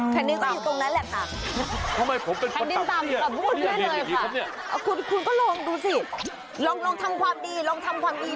แผ่นดินก็อยู่ตรงนั้นแหละค่ะ